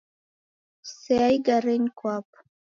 Sea igarenyi kwapo